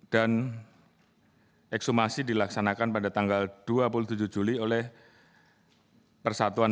dan ekshumasi dilaksanakan pada tanggal dua puluh tujuh juli oleh persatuan